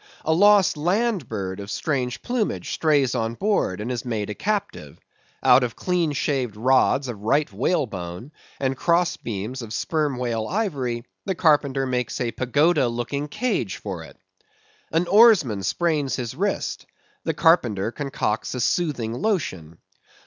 A lost land bird of strange plumage strays on board, and is made a captive: out of clean shaved rods of right whale bone, and cross beams of sperm whale ivory, the carpenter makes a pagoda looking cage for it. An oarsman sprains his wrist: the carpenter concocts a soothing lotion.